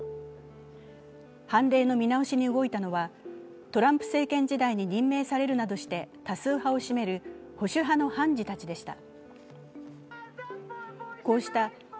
判例の見直しに動いたのはトランプ政権時代に任命されるなどして多数派を占める保守派の判事たちでした。